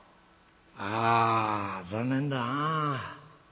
「あ残念だな。